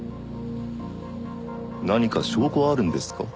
何か証拠はあるんですか？